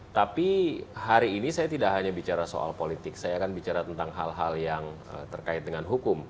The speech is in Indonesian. tapi hari ini saya tidak hanya bicara soal politik saya akan bicara tentang hal hal yang terkait dengan hukum